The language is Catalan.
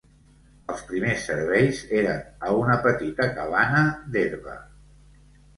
Els primers serveis eren a una petita cabana d'herba.